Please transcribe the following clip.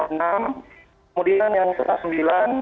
kemudian yang jam sembilan